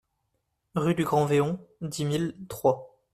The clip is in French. Rue du Grand Véon, dix mille Troyes